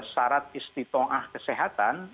syarat istiqto'ah kesehatan